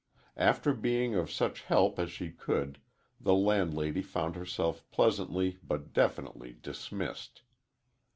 After being of such help as she could, the landlady found herself pleasantly but definitely dismissed.